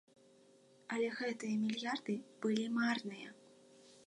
Але гэтыя мільярды былі марныя.